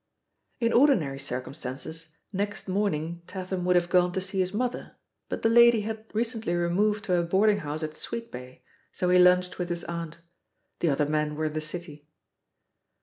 In ordinary circumstances, next morning, Tatham would have gone to see his mother, but the lady had recently removed to a boarding house at Sweetbay, so he lunched with his aunt. The other men were in the City.